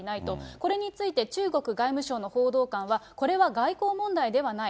これについて、中国外務省の報道官は、これは外交問題ではない。